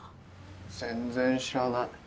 全然知らない。